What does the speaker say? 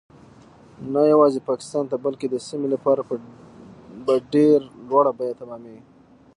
نه یوازې پاکستان ته بلکې د سیمې لپاره به ډیر په لوړه بیه تمامیږي